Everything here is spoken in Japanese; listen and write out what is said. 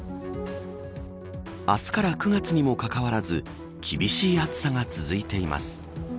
明日から９月にもかかわらず厳しい暑さが続いています。